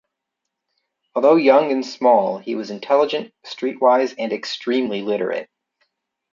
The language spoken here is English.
Although young and small, he was intelligent, streetwise and extremely literate.